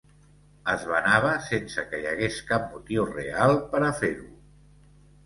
Es vanava sense que hi hagués cap motiu real per a fer-ho.